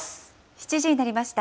７時になりました。